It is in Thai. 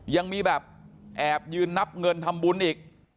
ยังมีแบบแอบยืนนับเงินทำบุญอีก